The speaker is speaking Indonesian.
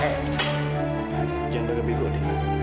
eh jangan agak bigot deh